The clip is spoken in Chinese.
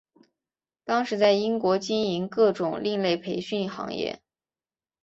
当时在英国经营各种另类培训行业。